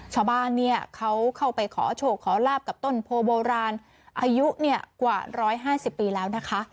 ชาวบ้านเนี่ยเขาเข้าไปขอโชคขอลาบกับต้นโพโบราณอายุกว่า๑๕๐ปีแล้วนะคะ